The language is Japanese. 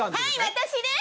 私です